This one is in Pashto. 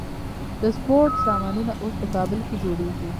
د سپورت سامانونه اوس په کابل کې جوړیږي.